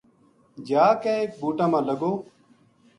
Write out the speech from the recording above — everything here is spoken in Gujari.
جا کے ایک بُوٹا ما لگو